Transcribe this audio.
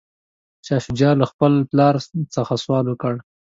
شاه شجاع له خپل پلار څخه سوال وکړ.